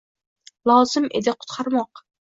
Lozim edi qutqarmoq.